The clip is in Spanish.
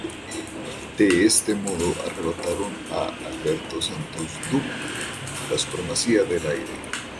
De este modo arrebataron a Alberto Santos Dumont la supremacía del aire.